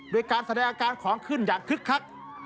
โดยการแสดงอาการของขึ้นอย่างคึกคัก